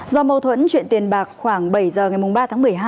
do mâu thuẫn chuyện tiền bạc khoảng bảy giờ ngày ba tháng một mươi hai